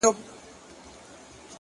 • له بلبله څخه هېر سول پروازونه ,